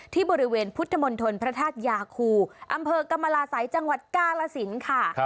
ที่บริเวณพุทธมณฑลพระธาตุยาคูอำเภอกรรมลาศัยจังหวัดกาลสินค่ะ